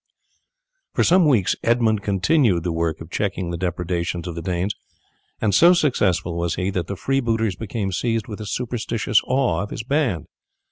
For some weeks Edmund continued the work of checking the depredations of the Danes, and so successful was he that the freebooters became seized with a superstitious awe of his band.